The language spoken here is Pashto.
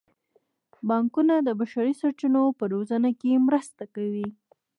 بانکونه د بشري سرچینو په روزنه کې مرسته کوي.